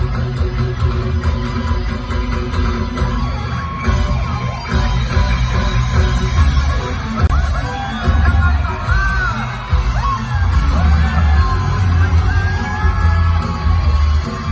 พอเผื่อพอเสียเหลือหายห่วงก็ซื้อควบห่วงพอ